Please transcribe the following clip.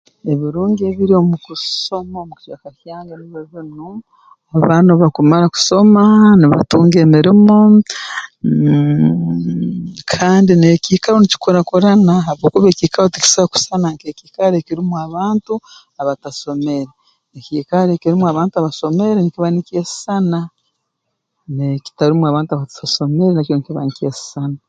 Ebirungi ebiri omu kusoma omu kicweka kyange nibyo binu abaana obu bakumara kusoma nibatunga emirimo mmmh kandi n'ekiikaro nikikurakurana habwokuba ekiikaro tikiso kusana nk'ekiikaro ekirumu abantu abatasomere ekiikaro ekirumu abantu abasomere nkiba nikyesisaana n'ekitarumu abantu abatasomere nakyo nkiba nkyesisana